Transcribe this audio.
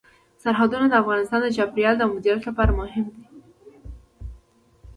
سرحدونه د افغانستان د چاپیریال د مدیریت لپاره مهم دي.